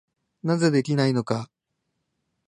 なぜできないのか。